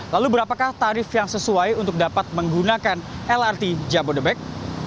lalu berapakah tarif yang sesuai untuk dapat menggunakan lrt jabodebek